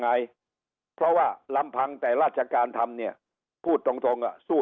ไงเพราะว่าลำพังแต่ราชการทำเนี่ยพูดตรงตรงอ่ะสู้